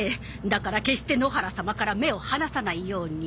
だから決して野原様から目を離さないように。